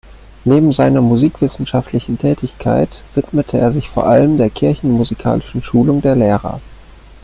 Neben seiner musikwissenschaftlichen Tätigkeit widmete er sich vor allem der kirchenmusikalischen Schulung der Lehrer.